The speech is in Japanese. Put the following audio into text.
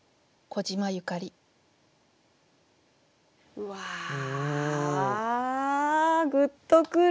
うわグッとくる。